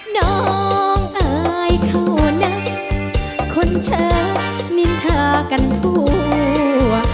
น้องอายเขานักคนเชิญนินทากันทั่ว